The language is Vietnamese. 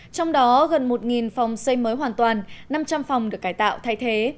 trong đó gần một phòng xây mới hoàn toàn năm trăm linh phòng được cải tạo thay thế